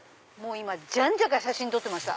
じゃんじゃか写真撮ってました。